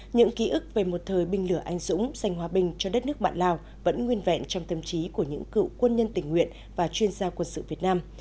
những ký ức về một thời binh lửa anh dũng dành hòa bình cho đất nước bạn lào vẫn nguyên vẹn trong tâm trí của những cựu quân nhân tình nguyện và chuyên gia quân sự việt nam